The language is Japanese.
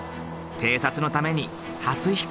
偵察のために初飛行。